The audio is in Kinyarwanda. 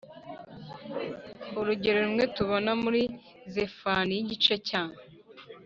urugero rumwe tubona muri Zefaniya igice cya